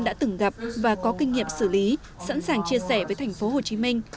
đã từng gặp và có kinh nghiệm xử lý sẵn sàng chia sẻ với tp hcm